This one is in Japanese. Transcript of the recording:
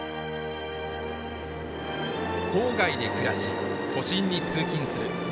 「郊外で暮らし都心に通勤する」